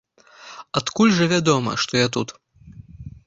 Адкуль жа вядома, што я тут?